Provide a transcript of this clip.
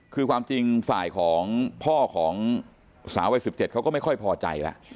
คือความจริงฝ่ายของพ่อของสาววัย๑๗เขาก็ไม่ค่อยพอใจแล้ว